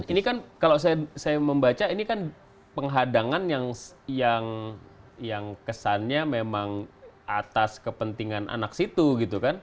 ini kan kalau saya membaca ini kan penghadangan yang kesannya memang atas kepentingan anak situ gitu kan